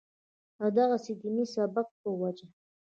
او دغسې د ديني سبق پۀ وجه